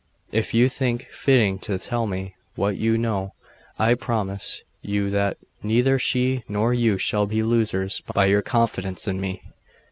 If you think fitting to tell me what you know, I promise you that neither she nor you shall be losers by your confidence in me.